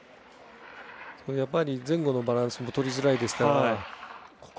やっぱり前後のバランスもとりづらいですから。